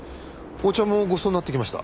お茶もごちそうになってきました。